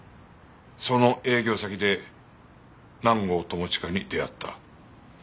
その営業先で南郷朋親に出会った。